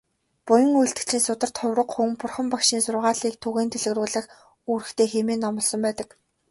Буян үйлдэгчийн сударт "Хувраг хүн Бурхан багшийн сургаалыг түгээн дэлгэрүүлэх үүрэгтэй" хэмээн номлосон байдаг.